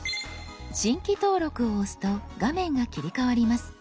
「新規登録」を押すと画面が切り替わります。